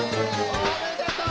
おめでとう！